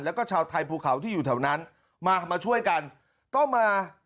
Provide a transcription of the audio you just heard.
แล้วก็ชาวไทยภูเขาที่อยู่แถวนั้นมามาช่วยกันต้องมา